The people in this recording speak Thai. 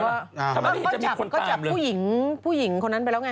ทำไมจะมีคนตามเลยก็จับผู้หญิงคนนั้นไปแล้วไง